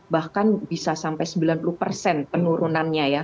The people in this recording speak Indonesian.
bahkan bisa sampai sembilan puluh persen penurunannya ya